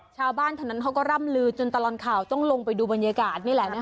ชาวบ้านเท่านั้นเขาก็ร่ำลือจนตลอดข่าวต้องลงไปดูบรรยากาศนี่แหละนะคะ